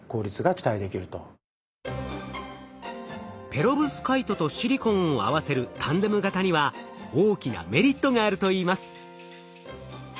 ペロブスカイトとシリコンを合わせるタンデム型には大きなメリットがあるといいます。